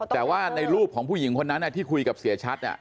แต่ว่าในรูปของผู้หญิงคนนั้นที่คุยกับเสียชัด